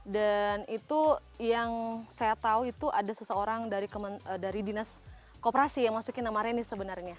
dan itu yang saya tahu itu ada seseorang dari dinas koperasi yang masukin nama reni sebenarnya